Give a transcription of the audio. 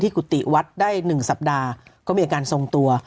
กุฏิวัดได้๑สัปดาห์ก็มีอาการทรงตัว